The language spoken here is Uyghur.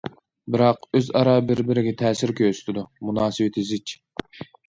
بىراق ئۆز ئارا بىر بىرىگە تەسىر كۆرسىتىدۇ، مۇناسىۋىتى زىچ.